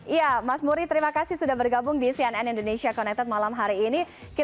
iya mas muri terima kasih sudah bergabung di cnn indonesia connected malam hari ini